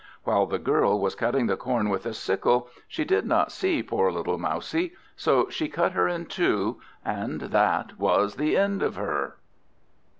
While the Girl was cutting the corn with a sickle, she did not see poor little Mousie, so she cut her in two, and that was the end of her.